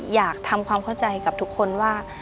อยากทำความเข้าใจกับทุกคนว่า